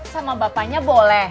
sama bapaknya boleh